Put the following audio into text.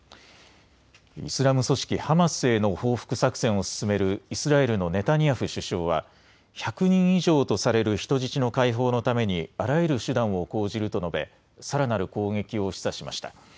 イスラム組織ハマスへの報復作戦を進めるイスラエルのネタニヤフ首相は１００人以上とされる人質の解放のためにあらゆる手段を講じると述べさらなる攻撃を示唆しました。